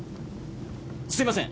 すいません。